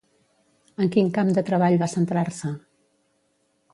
En quin camp de treball va centrar-se?